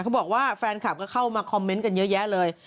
เขาบอกว่าแฟนคลับก็เข้ามาคอมเมนต์กันเยอะแยะเลย